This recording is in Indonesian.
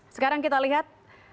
sekarang kita lihat